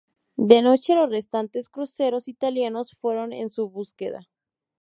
De noche los restantes cruceros italianos fueron en su búsqueda.